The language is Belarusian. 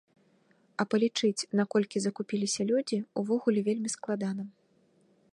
А палічыць, наколькі закупіліся людзі, увогуле вельмі складана.